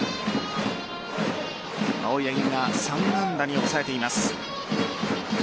青柳が３安打に抑えています。